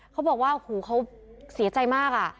เขาบอกว่าโอ้โหเขาเสียใจมากอะ